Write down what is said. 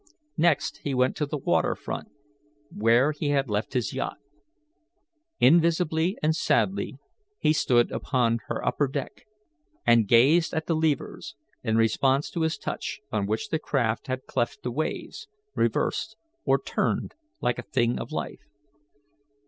Next, he went to the water front, where he had left his yacht. Invisibly and sadly he stood upon her upper deck, and gazed at the levers, in response to his touch on which the craft had cleft the waves, reversed, or turned like a thing of life.